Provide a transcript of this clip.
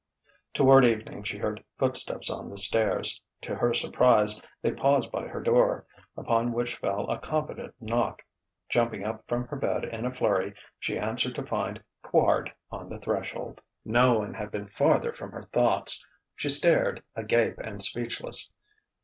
Toward evening she heard footsteps on the stairs. To her surprise they paused by her door, upon which fell a confident knock. Jumping up from her bed in a flurry, she answered to find Quard on the threshold. No one had been farther from her thoughts. She stared, agape and speechless.